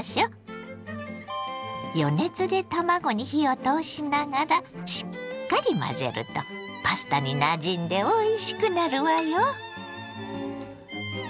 余熱で卵に火を通しながらしっかり混ぜるとパスタになじんでおいしくなるわよ。